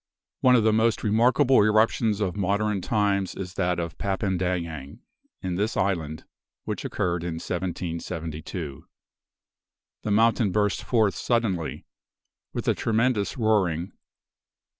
One of the most remarkable eruptions of modern times is that of Papandayang, in this island, which occurred in 1772. The mountain burst forth suddenly, with a tremendous roaring.